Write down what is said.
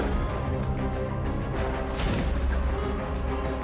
assalamualaikum warahmatullahi wabarakatuh